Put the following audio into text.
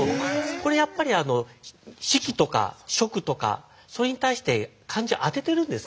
これやっぱり「敷」とか「食」とかそれに対して漢字を当ててるんですね